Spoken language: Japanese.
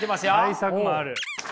対策もある。